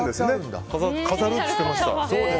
飾るって言ってました。